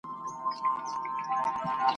چي له غمه مي زړګی قلم قلم دی !.